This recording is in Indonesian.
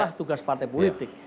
itulah tugas partai politik